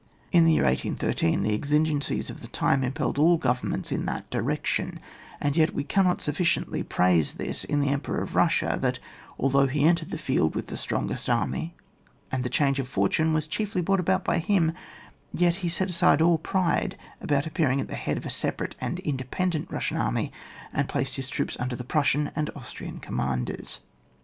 In the year 1813, the exigencies of the time impelled all Governments in that direction ; and yet we cannot sufficiently praise this in the Emperor of Eussia, that although he entered the field with the strongest army, and the change of for tune was chiefly brought about by him, yet he set aside all pride about appear ing at the head of a separate and an in dependent Bussian army, and placed his troops under the Prussian and Austrian Commanders.